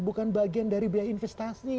bukan bagian dari biaya investasi